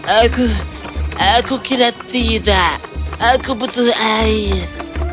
aku aku kira tidak aku butuh air